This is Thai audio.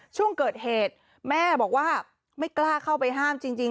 ช่วงเกิดเหตุแม่บอกว่าไม่กล้าเข้าไปห้ามจริง